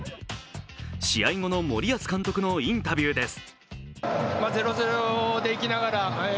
試合後の森保監督のインタビューです。